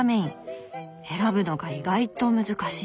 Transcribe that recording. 選ぶのが意外と難しい。